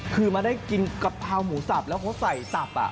คือมาได้กินกระพาวหมูสับอ๋อแล้วเขาใส่จับ